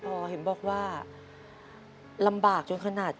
คุณหมอบอกว่าเอาไปพักฟื้นที่บ้านได้แล้ว